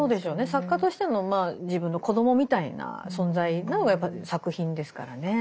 作家としてのまあ自分の子どもみたいな存在なのがやっぱり作品ですからね。